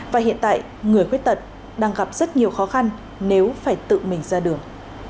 và hiện tại người khuyết tật đang gặp rất nhiều khó khăn nếu phải tự mình ra đường